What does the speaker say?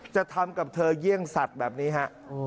จะทำกับเธอเยี่ยงสัตว์แบบนี้ฮะ